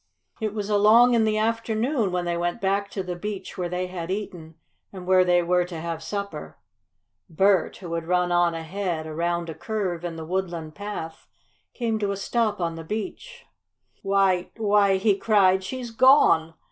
It was along in the afternoon when they went back to the beach where they had eaten, and where they were to have supper. Bert, who had run on ahead around a curve in the woodland path, came to a stop on the beach. "Why why!" he cried. "She's gone!